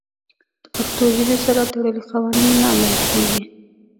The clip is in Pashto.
د پښتو ژبې سره تړلي قوانین نه عملي کېږي.